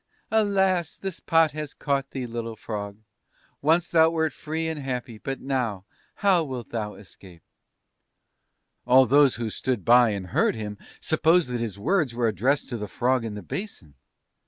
alas!... this pot has caught thee, little Frog! Once thou wert free and happy, but now, how wilt thou escape?' "All those who stood by and heard him supposed that his words were addressed to the frog in the basin.